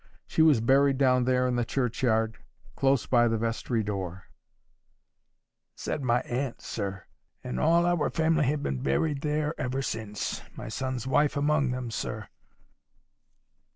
She was buried down there in the churchyard, close by the vestry door,' said my aunt, sir; and all of our family have been buried there ever since, my son Tom's wife among them, sir."